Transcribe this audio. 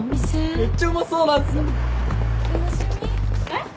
えっ？